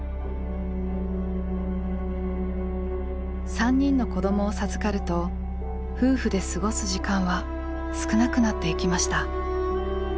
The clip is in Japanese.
３人の子どもを授かると夫婦で過ごす時間は少なくなっていきました。